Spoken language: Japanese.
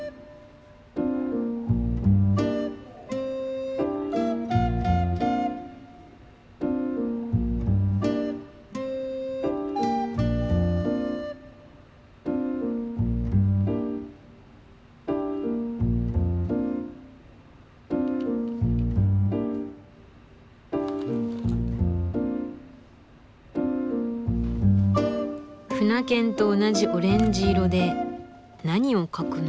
舟券と同じオレンジ色で何を描くのか？